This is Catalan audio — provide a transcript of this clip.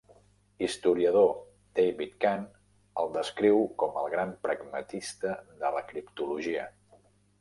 Historiador David Kahn el descriu com el gran pragmatista de la criptologia.